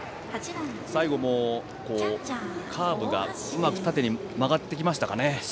最後もカーブがうまく縦に曲がってきましたかね。